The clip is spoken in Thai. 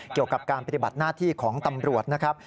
เกี่ยวกับการปฏิบัติหน้าที่ของตำรวจนะครับ